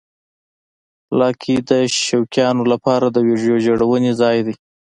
لایکي د شوقیانو لپاره د ویډیو جوړونې ځای دی.